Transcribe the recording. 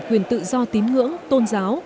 quyền tự do tín ngưỡng tôn giáo